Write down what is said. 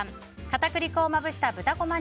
片栗粉をまぶした豚こま